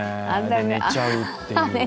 寝ちゃうっていう。